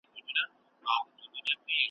د راډیو په تالار کي `